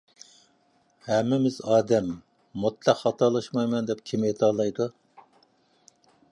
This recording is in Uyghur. ھەممىمىز ئادەم. مۇتلەق خاتالاشمايمەن دەپ كىم ئېيتالايدۇ؟